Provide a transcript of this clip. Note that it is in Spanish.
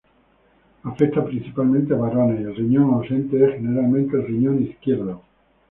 Afecta principalmente a varones y el riñón ausente es generalmente el riñón izquierdo.